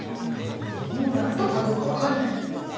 もう納豆かどうか分かんない。